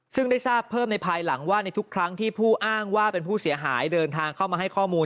ซึ่งได้ทราบเพิ่มในภายหลังว่าในทุกครั้งที่ผู้อ้างว่าเป็นผู้เสียหายเดินทางเข้ามาให้ข้อมูล